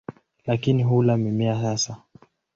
Lakini hula mimea hasa.